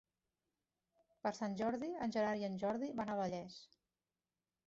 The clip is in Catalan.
Per Sant Jordi en Gerard i en Jordi van a Vallés.